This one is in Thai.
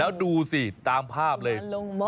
แล้วดูสิตามภาพเลย